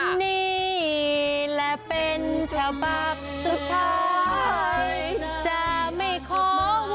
ขอเสียงสมบูรณ์หน่อยครับ